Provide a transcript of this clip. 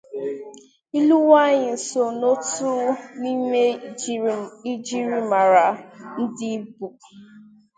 Ịlụ nwaanyị so n'otu n'ime njirimara ndi Igbo